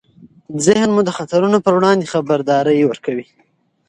ذهن موږ د خطرونو پر وړاندې خبرداری ورکوي.